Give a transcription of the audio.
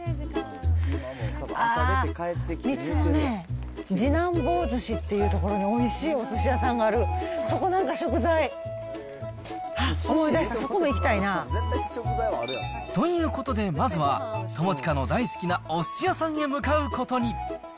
あー、次男坊寿司っていう所においしいおすし屋さんがある、そこなんか食材、あっ、思い出した、そこも行きたいな。ということで、まずは、友近の大好きなおすし屋さんへ向かうことに。